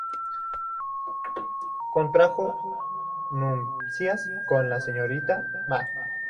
Contrajo nupcias con la señorita Ma.